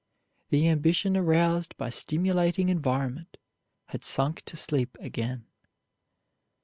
The ambition aroused by stimulating environment had sunk to sleep again.